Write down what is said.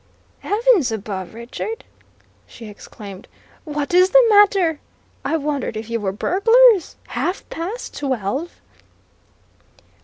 "Heavens above, Richard!" she exclaimed, "What is the matter! I wondered if you were burglars! Half past twelve!"